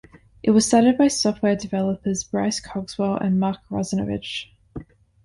It was started by software developers Bryce Cogswell and Mark Russinovich.